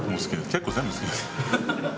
結構全部好きです。